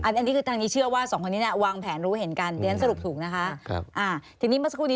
อันนี้คือทางนี้เชื่อว่าสองคนนี้เนี่ยวางแผนรู้เห็นกันเดี๋ยวฉันสรุปถูกนะคะ